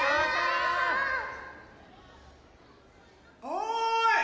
おい！